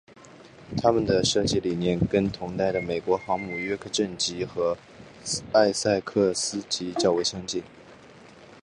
它们的设计理念跟同代的美国航母约克镇级和艾塞克斯级较为相近。